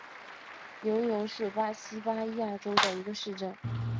尤尤是巴西巴伊亚州的一个市镇。